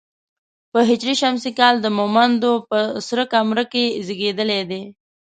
په هـ ش کال د مومندو په سره کمره کې زېږېدلی دی.